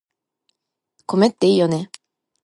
米っていいよね